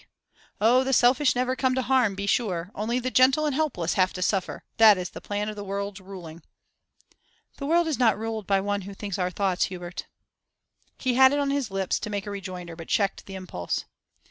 Oh, the selfish never come to harm, be sure! Only the gentle and helpless have to suffer; that is the plan of the world's ruling.' 'The world is not ruled by one who thinks our thoughts, Hubert.' He had it on his lips to make a rejoinder, but checked the impulse.